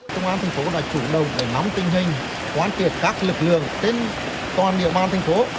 thông an thành phố đã chủ động để nắm tình hình hoàn thiện các lực lượng trên toàn địa bàn thành phố